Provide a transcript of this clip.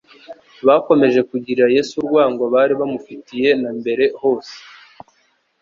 bakomeje kugirira Yesu urwango bari bamufitiye na mbere hose.